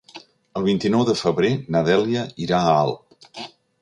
El vint-i-nou de febrer na Dèlia irà a Alp.